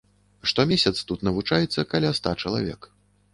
Штомесяц тут навучаецца каля ста чалавек.